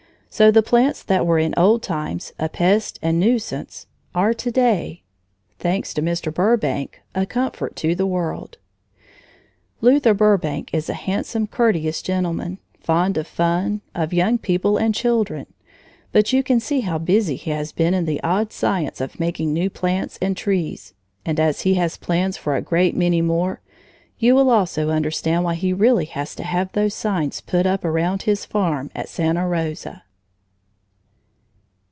So the plants that were in old times a pest and nuisance are to day, thanks to Mr. Burbank, a comfort to the world. Luther Burbank is a handsome, courteous gentleman, fond of fun, of young people and children, but you can see how busy he has been in the odd science of making new plants and trees, and as he has plans for a great many more, you will also understand why he really has to have those signs put up around his farm at Santa Rosa.